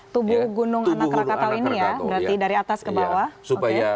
tubuh gunung anak rakatau ini ya berarti dari atas ke bawah oke